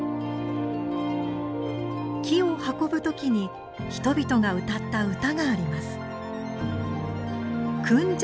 木を運ぶ時に人々が歌った唄があります。